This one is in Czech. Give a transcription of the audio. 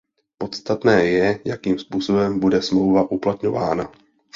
Podstatné je, jakým způsobem bude smlouva uplatňována.